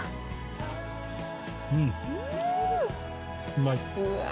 うまい。